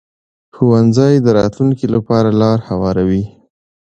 ښوونځی د راتلونکي لپاره لار هواروي